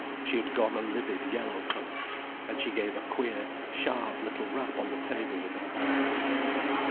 She had gone a livid yellow colour. And she gave a queer, sharp little rap on the table with her hand.